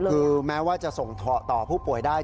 คือแม้ว่าจะส่งต่อผู้ป่วยได้